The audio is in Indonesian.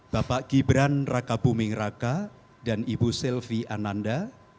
bapak gibran raka buming raka dan ibu selvi ananda